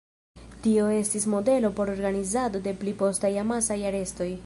Tio estis modelo por organizado de pli postaj amasaj arestoj.